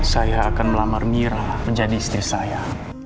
saya akan melamar mira menjadi istri saya